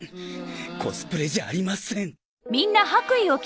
コスプレじゃありません。